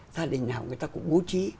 gia đình nào người ta cũng bố trí